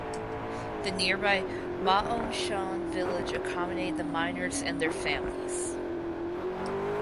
The nearby Ma On Shan Village accommodated the miners and their families.